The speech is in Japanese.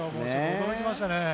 驚きましたね。